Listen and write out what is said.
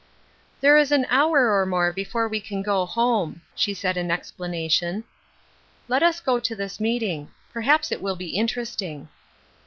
" There is an hour or more before we can go home," she said in explanation. " Let us go to this meeting. Perhaps it will be interesting."